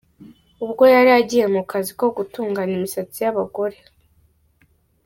ubwo yari agiye mu kazi ko gutunganya imisatsi y΄abagore.